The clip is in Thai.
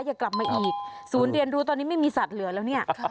อย่ากลับมาอีกศูนย์เรียนรู้ตอนนี้ไม่มีสัตว์เหลือแล้วเนี่ย